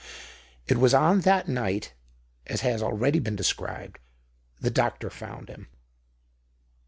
It was on that night that— as has already been described— the doctor found him.